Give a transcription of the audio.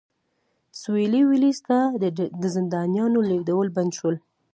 سوېلي ویلز ته د زندانیانو لېږدول بند شول.